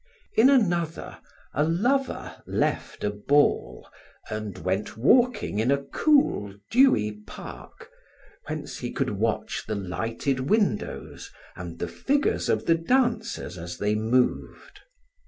In another, a lover left a ball, and went walking in a cool, dewy park, whence he could watch the lighted windows and the figures of the dancers as they moved.